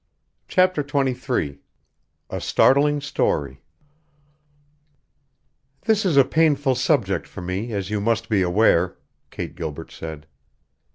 CHAPTER XXIII A STARTLING STORY "This is a painful subject for me, as you must be aware," Kate Gilbert said.